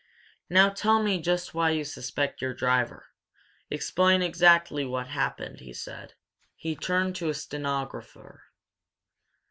"Now tell me just why you suspect your driver. Explain exactly what happened," he said. He turned to a stenographer.